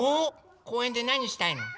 こうえんでなにしたいの？